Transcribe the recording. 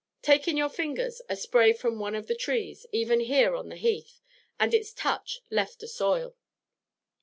Take in your fingers a spray from one of the trees even here on the Heath, and its touch left a soil.